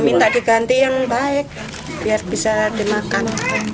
minta diganti yang baik biar bisa dimakan